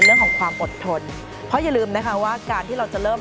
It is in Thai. เรื่องของความอดทนเพราะอย่าลืมนะคะว่าการที่เราจะเริ่ม